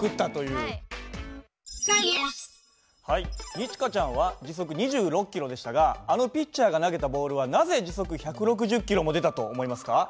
二千翔ちゃんは時速２６キロでしたがあのピッチャーが投げたボールはなぜ時速１６０キロも出たと思いますか？